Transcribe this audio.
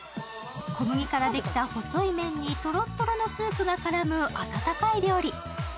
小麦からできた細い麺にとろっとろのスープが絡む温かい料理。